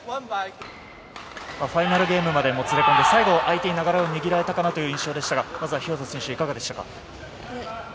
ファイナルゲームまでもつれ込んで相手に流れを握られたかなという印象でしたがいかがでしたか？